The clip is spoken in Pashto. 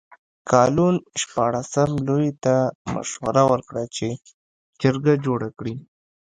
کالون شپاړسم لویي ته مشوره ورکړه چې جرګه جوړه کړي.